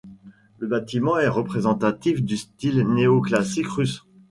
Le bâtiment est représentatif du style néoclassique russe.